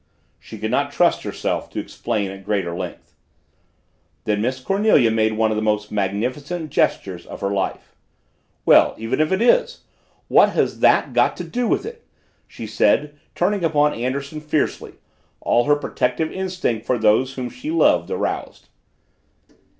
She could not trust herself to explain at greater length. Then Miss Cornelia made one of the most magnificent gestures of her life. "Well, even if it is what has that got to do with it?" she said, turning upon Anderson fiercely, all her protective instinct for those whom she loved aroused.